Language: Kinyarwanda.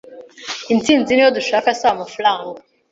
insinzi ni yo dushaka, si amafaranga.